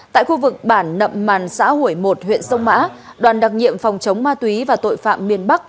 tại khu vực bản nậm màn xã hủy một huyện sông mã đoàn đặc nhiệm phòng chống ma túy và tội phạm miền bắc